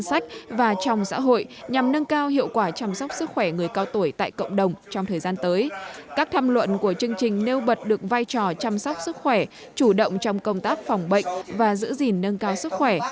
phối hợp tổ chức chăm sóc sức khỏe chủ động trong công tác phòng bệnh và giữ gìn nâng cao sức khỏe